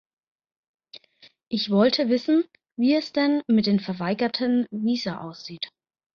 Ich wollte wissen, wie es denn mit den verweigerten Visa aussieht.